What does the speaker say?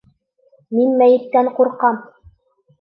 Мин мәйеттән ҡурҡам!